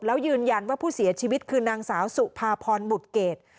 แล้วยืนยันว่าผู้เสียชีวิตคือนางสาวสุภาพรบุตรเกรด